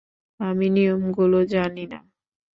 আমি নিয়মগুলো জানি না।